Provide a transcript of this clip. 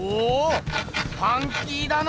ファンキーだな！